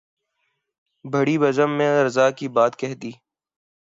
بھری بزم میں راز کی بات کہہ دی